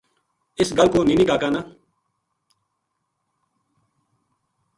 اس گل کو نی نی کا کا نا